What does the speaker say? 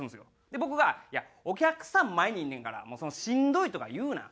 で僕が「いやお客さん前にいんねんからそんなしんどいとか言うな」。